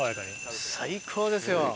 最高ですよ！